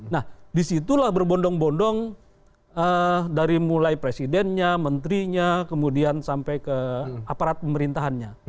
nah disitulah berbondong bondong dari mulai presidennya menterinya kemudian sampai ke aparat pemerintahannya